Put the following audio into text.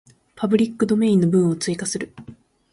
パブリックドメインの文を追加する